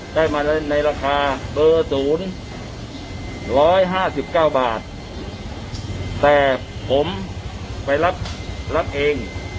ได้มาในราคาเบอร์ศูนย์ร้อยห้าสิบเก้าบาทแต่ผมไปรับรับเอง